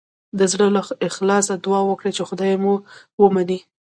د زړه له اخلاصه دعاګانې وکړئ چې خدای مو ومني.